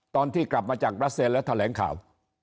ตอนที่กลับมาจากบรัสเซียแล้วแถลงข่าว